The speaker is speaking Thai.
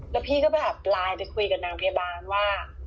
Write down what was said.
แล้วพี่ก็แบบไลน์ไปคุยกับนางพยาบาลว่า